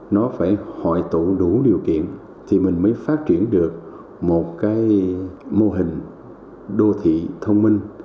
nó phải hội tụ đủ điều kiện thì mình mới phát triển được một cái mô hình đô thị thông minh